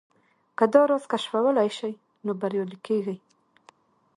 که دا راز کشفولای شئ نو بريالي کېږئ.